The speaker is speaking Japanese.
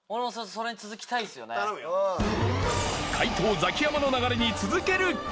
怪盗ザキヤマの流れに続けるか？